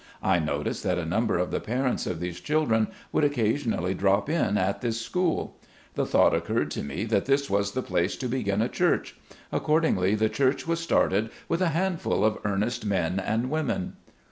I noticed that a number of the parents of these children would occasionally drop in at this school. The thought occurred to me that this was the place to begin a church ; accordingly the church was started with a handful of earnest men and women.